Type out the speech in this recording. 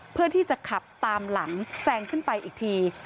เพื่อที่จะขับตามหลังแซงขึ้นไปอีกที